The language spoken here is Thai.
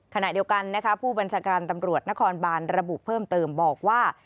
ขณะเดียวกันนะคะผู้บัญชาการตำรวจนครบานระบุเพิ่มเติมบอกว่า